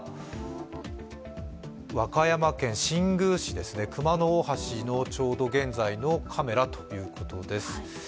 和歌山県新宮市です、熊野大橋のちょうど現在のカメラということです。